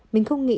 mình không nghĩ